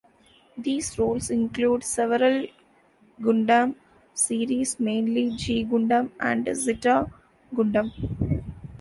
These roles include several "Gundam" series, mainly "G Gundam" and "Zeta Gundam".